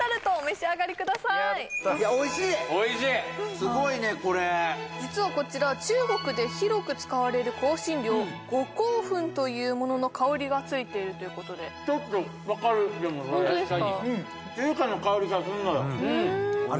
・すごいねこれ実はこちら中国で広く使われる香辛料五香粉というものの香りがついているということでちょっとわかるでもそれ本当ですか